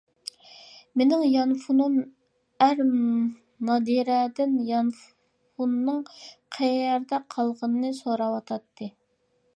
-مېنىڭ يانفونۇم؟ ئەر نادىرەدىن يانفونىنىڭ قەيەردە قالغىنىنى سوراۋاتاتتى.